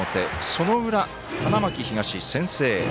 その裏、花巻東、先制。